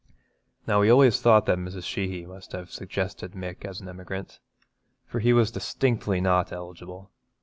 Now we always thought that Mrs. Sheehy must have suggested Mick as an emigrant, for he was distinctly not eligible.